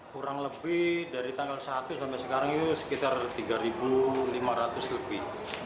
kurang lebih dari tanggal satu sampai sekarang itu sekitar tiga lima ratus lebih